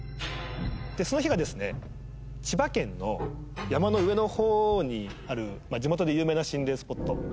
その日がですね千葉県の山の上の方にある地元で有名な心霊スポット。